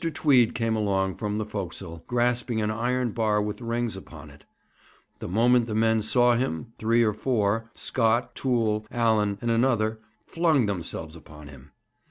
Tweed came along from the forecastle, grasping an iron bar with rings upon it The moment the men saw him, three or four Scott, Toole, Allan, and another flung themselves upon him.